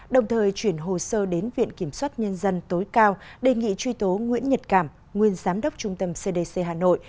đồng thời chuyển hồ sơ đến viện kiểm soát nhân dân tối cao đề nghị truy tố nguyễn nhật cảm nguyên giám đốc trung tâm cdc hà nội